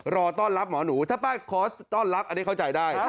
รอต้อนรับหมอหนูถ้าป้าขอต้อนรับอันนี้เข้าใจได้